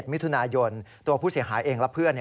มิถุนายนตัวผู้เสียหายเองและเพื่อน